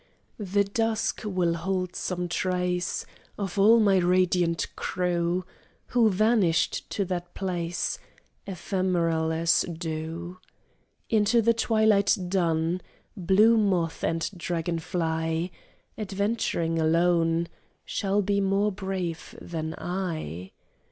The dusk will hold some trace Of all my radiant crew Who vanished to that place, Ephemeral as dew. Into the twilight dun, Blue moth and dragon fly Adventuring alone, Shall be more brave than I?